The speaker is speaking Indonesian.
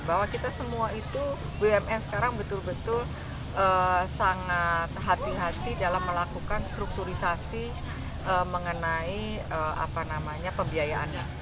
bahwa kita semua itu bumn sekarang betul betul sangat hati hati dalam melakukan strukturisasi mengenai pembiayaannya